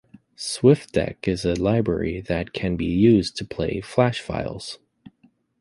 Swfdec is a library that can be used to play Flash files.